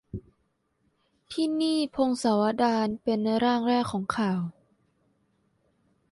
ที่นี่ : พงศาวดารเป็นร่างแรกของข่าว